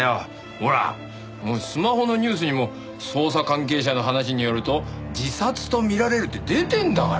ほらもうスマホのニュースにも「捜査関係者の話によると自殺と見られる」って出てんだから。